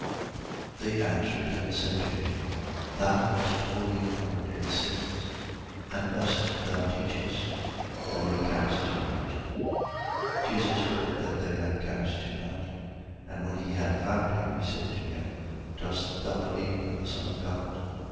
9:34. They answered and said to him: Thou wast wholly born in sins; and dost thou teach us? And they cast him out. 9:35. Jesus heard that they had cast him out. And when he had found him, he said to him: Dost thou believe in the Son of God?